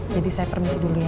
jadi saya permisi dulu ya